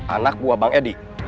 anak buah bang edi